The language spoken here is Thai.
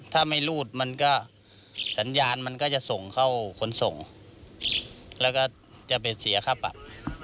ถ้าไม่รูดมันก็สัญญาณมันก็จะส่งเข้าขนส่งแล้วก็จะไปเสียค่าปรับ